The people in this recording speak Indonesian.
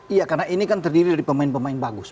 iya karena ini kan terdiri dari pemain pemain bagus